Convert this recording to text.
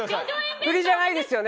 振りじゃないですよね。